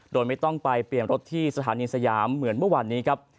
โดยไม่ต้องไปเปลี่ยนรถที่สถานีสยามเหมือนเมื่อวานนี้ครับ